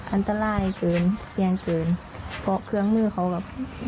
อันตรายเกินเสี่ยงเกินเพราะเครื่องมือเขาแบบ